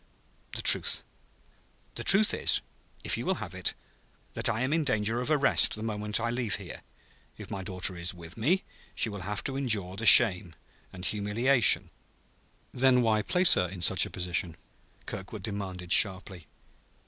"The truth the truth is, if you will have it, that I am in danger of arrest the moment I leave here. If my daughter is with me, she will have to endure the shame and humiliation " "Then why place her in such a position?" Kirkwood demanded sharply.